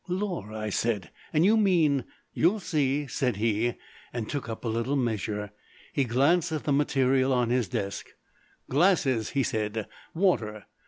"Lor'," I said. "And you mean " "You'll see," said he, and took up a little measure. He glanced at the material on his desk. "Glasses," he said, "water.